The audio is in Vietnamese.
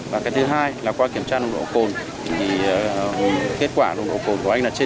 và cái thứ hai là qua kiểm tra nồng độ cồn thì kết quả nồng độ cồn của anh là trên